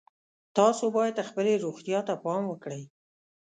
تاسو باید خپلې روغتیا ته پام وکړئ